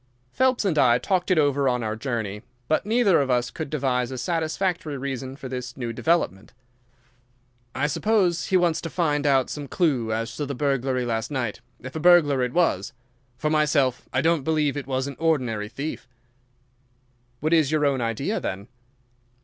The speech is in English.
Phelps and I talked it over on our journey, but neither of us could devise a satisfactory reason for this new development. "I suppose he wants to find out some clue as to the burglary last night, if a burglar it was. For myself, I don't believe it was an ordinary thief." "What is your own idea, then?"